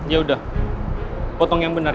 ya udah potong yang benar ya